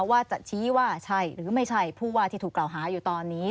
ว่าจะชี้ว่าใช่หรือไม่ใช่ผู้ว่าที่ถูกกล่าวหาอยู่ตอนนี้